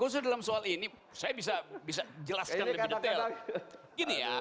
maksudnya dalam soal ini saya bisa jelaskan lebih detail